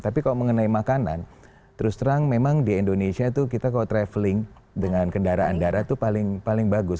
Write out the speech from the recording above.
tapi kalau mengenai makanan terus terang memang di indonesia tuh kita kalau traveling dengan kendaraan darat itu paling bagus